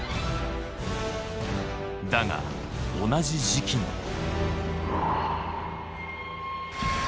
だが同じ時期に。